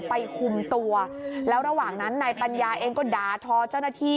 คุมตัวแล้วระหว่างนั้นนายปัญญาเองก็ด่าทอเจ้าหน้าที่